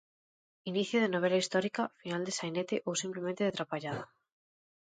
Inicio de novela histórica, final de sainete ou simplemente, de trapallada.